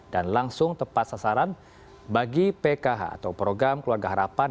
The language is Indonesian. dan langsung tepat sasaran bagi pkh atau program keluarga harapan